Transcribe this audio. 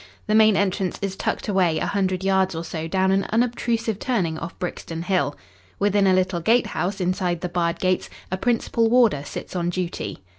The main entrance is tucked away a hundred yards or so down an unobtrusive turning off Brixton Hill. Within a little gate house inside the barred gates a principal warder sits on duty.